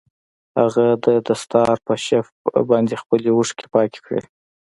هغه د دستار په شف باندې خپلې اوښکې پاکې کړې.